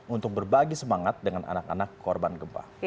untuk berbagi semangat dengan anak anak korban gempa